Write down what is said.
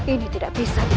ini tidak bisa diliharkan